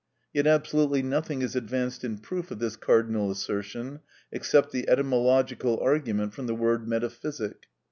Yet absolutely nothing is advanced in proof of this cardinal assertion except the etymological argument from the word metaphysic.